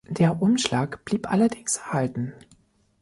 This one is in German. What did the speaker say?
Der Umschlag blieb allerdings erhalten.